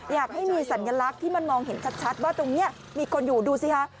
อยากให้มีสัญลักษณ์ที่มันมองเห็นชัดว่าตรงนี้มีคนอยู่ดูสิคะ